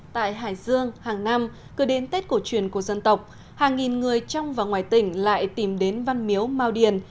tại hải dương hàng năm cứ đến tết cổ truyền của dân tộc hàng nghìn người trong và ngoài tỉnh lại tìm đến văn miếu mau điền